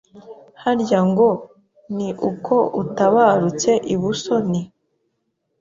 harya ngo ni uko utabarutse i Busoni